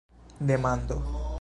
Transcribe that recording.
demando